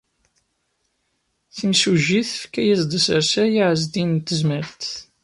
Timsujjit tefka-as-d asersay i Ɛezdin n Tezmalt.